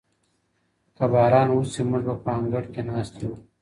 که باران وشي موږ به په انګړ کې ناست یو.